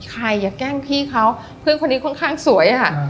อย่าแกล้งพี่เขาเพื่อนคนนี้ค่อนข้างสวยค่ะ